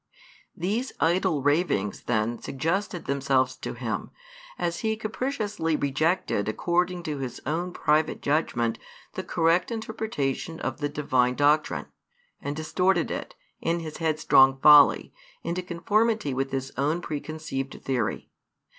These idle ravings then suggested themselves to him, as he capriciously rejected according to his own private judgment the correct interpretation of the Divine doctrine, and distorted it, in his headstrong folly, into conformity with his own preconceived theory.